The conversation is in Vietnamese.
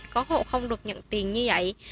có hộ không được nhận tiền như vậy